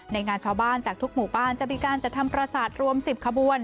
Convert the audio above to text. งานชาวบ้านจากทุกหมู่บ้านจะมีการจัดทำประสาทรวม๑๐ขบวน